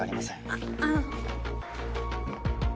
あっあの。